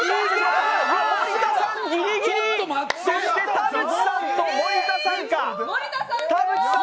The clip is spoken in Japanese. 田渕さんと森田さんか。